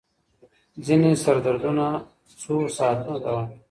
ځینې سردردونه څو ساعتونه دوام کوي.